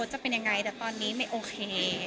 แต่ตอนนี้เมย์โอเค